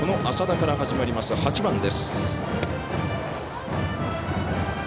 その浅田から始まります、８番。